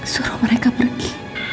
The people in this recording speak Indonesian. suruh mereka pergi